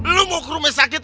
lu mau ke rumah sakit